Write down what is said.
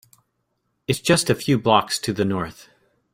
It’s just a few blocks to the North.